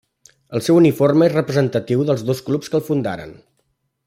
El seu uniforme és representatiu dels dos clubs que el fundaren.